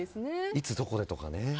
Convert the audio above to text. いつどこでとかね。